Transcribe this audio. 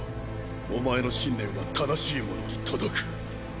おまえの信念は正しい者に届く。